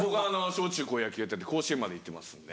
小・中・高野球やってて甲子園までいってますんで。